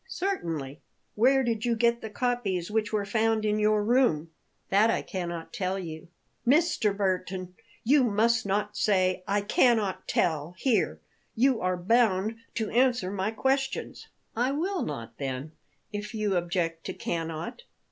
"Certainly." "Where did you get the copies which were found in your room?" "That I cannot tell you." "Mr. Burton, you must not say 'I cannot tell' here; you are bound to answer my questions." "I will not, then, if you object to 'cannot.'"